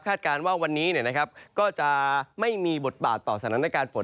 คาดการณ์ว่าวันนี้นะครับก็จะไม่มีบทบาทต่อสถานการณ์ฝน